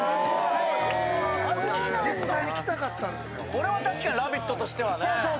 これは確かに「ラヴィット！」としてはね。